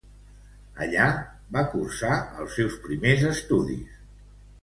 Allí va cursar Barrios els seus primers estudis.